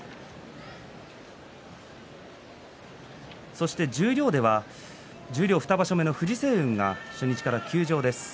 そして十両では十両２場所目の藤青雲が初日から休場です。